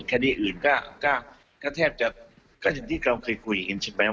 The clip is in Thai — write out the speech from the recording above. คดีอื่นก็แทบจะก็อย่างที่เราเคยคุยกันใช่ไหม